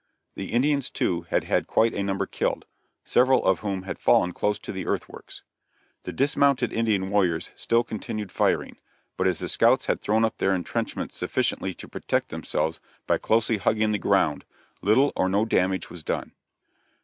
The Indians, too, had had quite a number killed, several of whom had fallen close to the earthworks. The dismounted Indian warriors still continued firing, but as the scouts had thrown up their intrenchments sufficiently to protect themselves by closely hugging the ground, little or no damage was done.